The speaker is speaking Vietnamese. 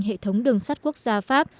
hệ thống đường sắt quốc gia pháp